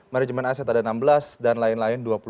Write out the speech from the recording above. manajemen aset ada enam belas dan lain lain dua puluh dua